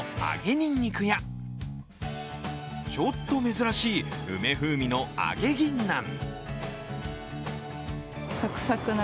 にんにくやちょっと珍しい梅風味の揚げぎんなん。